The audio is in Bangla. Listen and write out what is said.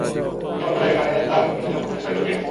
ইতোমধ্যেই এখানে তার কিছুসংখ্যক অনুসারী গজিয়ে গেছে!